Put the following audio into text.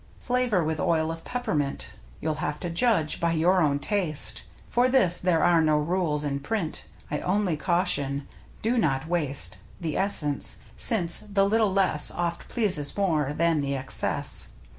Flavor with oil of peppermint (You'll have to judge by your own taste). For this there are no rules in print, I only caution: " Do not waste The essence." Since the little less Oft pleases more than the excess.